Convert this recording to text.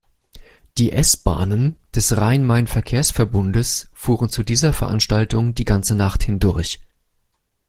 Die S-Bahnen des Rhein-Main-Verkehrsverbundes fuhren zu dieser Veranstaltung die ganze Nacht hindurch.